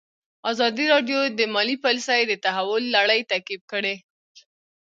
ازادي راډیو د مالي پالیسي د تحول لړۍ تعقیب کړې.